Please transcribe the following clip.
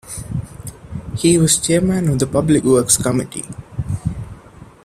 He was chairman of the Public Works Committee.